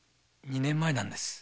二年前なんです。